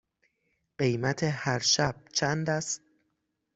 قیمت هر شب چند است؟